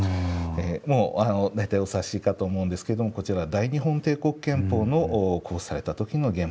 もう大体お察しかと思うんですけどもこちらは大日本帝国憲法の公布された時の原本になっています。